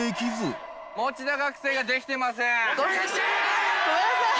餅田）ごめんなさい。